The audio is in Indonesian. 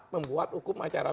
membuat hukum acara